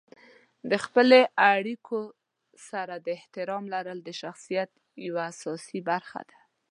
د خپلې اړیکو سره د احترام لرل د شخصیت یوه اساسي برخه ده.